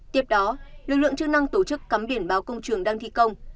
tiếp đó lực lượng chức năng tổ chức cắm biển báo công trường đang thi công